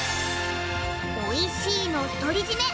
おいしいの独り占め